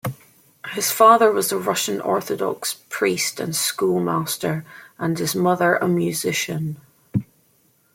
His father was a Russian Orthodox priest and schoolmaster, and his mother a musician.